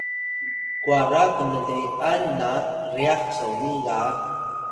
kwara knle’an na ryax soni ga